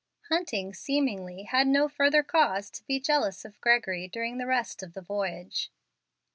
Hunting, seemingly, had no further cause to be jealous of Gregory during the rest of the voyage.